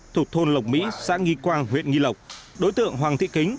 thuộc thôn lộc mỹ xã nghi quang huyện nghi lộc đối tượng hoàng thị kính